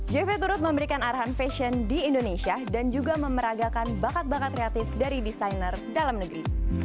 jv turut memberikan arahan fashion di indonesia dan juga memeragakan bakat bakat kreatif dari desainer dalam negeri